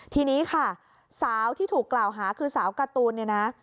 ทีนี้ค่ะสาวที่ถูกกล่าวหาคือสาวการ์ตูนเนี่ยนะ